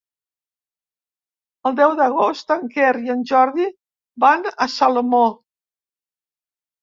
El deu d'agost en Quer i en Jordi van a Salomó.